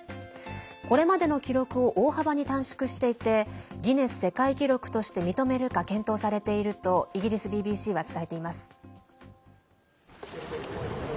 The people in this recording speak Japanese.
これまでの記録を大幅に短縮していてギネス世界記録として認めるか検討されているとイギリスＢＢＣは伝えています。